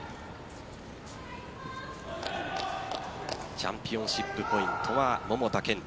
チャンピオンシップポイントは桃田賢斗。